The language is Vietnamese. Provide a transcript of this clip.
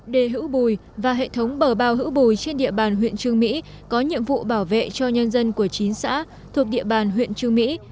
đề hữu bùi và hệ thống bờ bao hữu bùi trên địa bàn huyện trương mỹ có nhiệm vụ bảo vệ cho nhân dân của chín xã thuộc địa bàn huyện trương mỹ